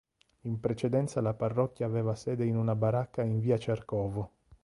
In precedenza la parrocchia aveva sede in una baracca in via Cerkovo.